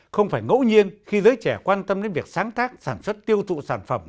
không phải ngẫu nhiên khi giới trẻ quan tâm đến việc sáng tác sản xuất tiêu thụ sản phẩm